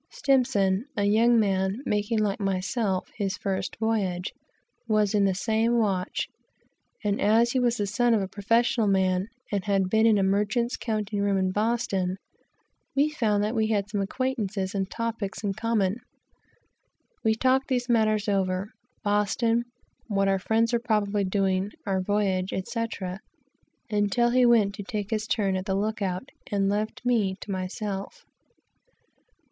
S , a young man, making, like myself, his first voyage, was in the same watch, and as he was the son of a professional man, and had been in a counting room in Boston, we found that we had many friends and topics in common. We talked these matters over, Boston, what our friends were probably doing, our voyage, etc., until he went to take his turn at the look out, and left me to myself.